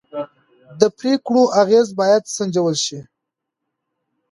د پرېکړو اغېز باید سنجول شي